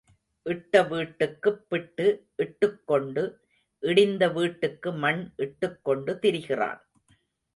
இட்ட வீட்டுக்குப் பிட்டு இட்டுக்கொண்டு, இடிந்த வீட்டுக்கு மண் இட்டுக் கொண்டு திரிகிறான்.